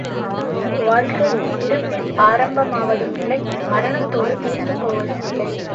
வாழ்க்கை பிறப்பில் ஆரம்பமாகவுமில்லை மரணத்தோடு தீர்ந்து போவதுமில்லை.